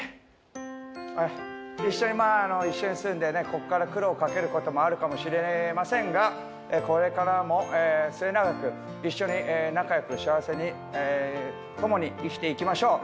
ここから苦労をかける事もあるかもしれませんがこれからも末永く一緒に仲良く幸せに共に生きていきましょう。